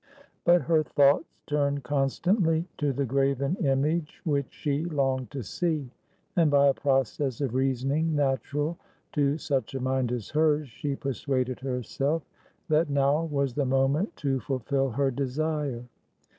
But her thoughts turned constantly to the graven image which she longed to see, and, by a process of reasoning natural to such a mind as hers, she persuaded herself that now was the moment to fulfil her desire.